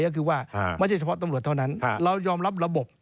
ก็คือว่าไม่ใช่เฉพาะตำรวจเท่านั้นเรายอมรับระบบ